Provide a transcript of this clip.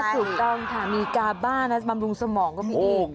คุณต้องถามมีกาบ้าน่ะบำรุงสมองก็มีอีก